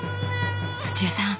土屋さん